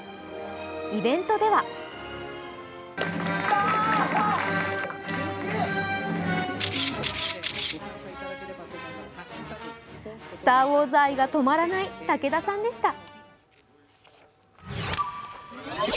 イベントでは「スター・ウォーズ」愛が止まらない武田さんでした。